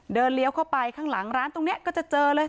เลี้ยวเข้าไปข้างหลังร้านตรงนี้ก็จะเจอเลย